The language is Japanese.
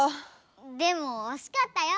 でもおしかったよ。